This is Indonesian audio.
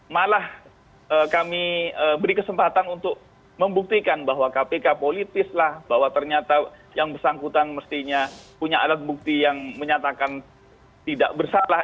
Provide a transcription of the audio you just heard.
malah kami beri kesempatan untuk membuktikan bahwa kpk politis lah bahwa ternyata yang bersangkutan mestinya punya alat bukti yang menyatakan tidak bersalah